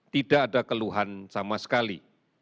tidak ada keluhan sama sekali